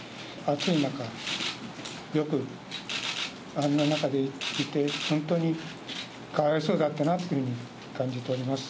暑い中、よくあんな中でいて、本当にかわいそうだったなっていうふうに感じております。